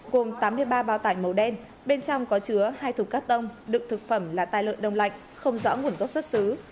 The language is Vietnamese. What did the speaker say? gồm tám mươi ba bao tải màu đen bên trong có chứa hai thùng cắt tông đựng thực phẩm là tài lợn đông lạnh không rõ nguồn gốc xuất xứ